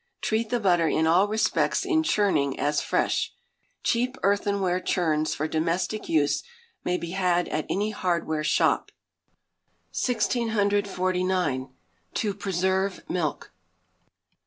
Treat the butter in all respects in churning as fresh. Cheap earthenware churns for domestic use may be had at any hardware shop. 1649. To Preserve Milk.